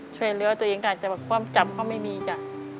ช่วยเหลือตัวเองได้แต่ความจำเขาไม่มีจ้ะ